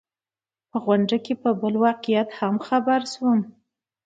په غونډه کې پر بل واقعیت هم خبر شوم.